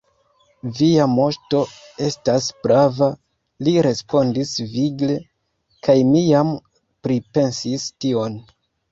Via moŝto estas prava, li respondis vigle, kaj mi jam pripensis tion.